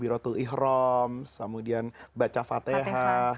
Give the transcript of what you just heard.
biratul ihram kemudian baca fatahah